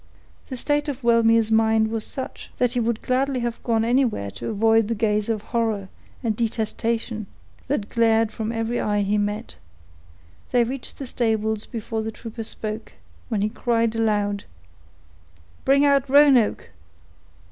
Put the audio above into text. The state of Wellmere's mind was such, that he would gladly have gone anywhere to avoid the gaze of horror and detestation that glared from every eye he met. They reached the stables before the trooper spoke, when he cried aloud,— "Bring out Roanoke!"